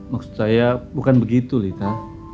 maksud saya bukan begitu lita